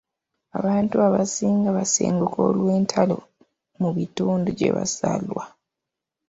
Abantu abasinga baasenguka olw'entalo mu bitundu gye bazaalwa.